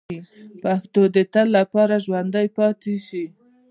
پښتو دې د تل لپاره ژوندۍ پاتې شي.